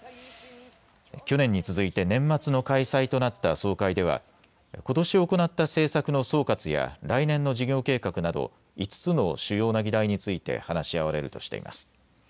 去年に続いて年末の開催となった総会では、ことし行った政策の総括や来年の事業計画など５つの主要な議題について話し合われるとしています。